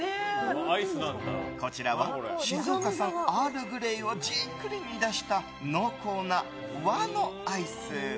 こちらは静岡産アールグレイをじっくり煮出した濃厚な和のアイス。